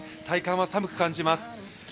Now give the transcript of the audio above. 体感は寒く感じます。